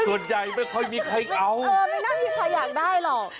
ส่วนใหญ่ไม่ค่อยมีใครเอาเออไม่น่ามีใครอยากได้หรอก